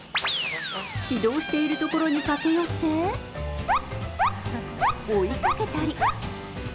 起動しているところに駆け寄って追いかけたり。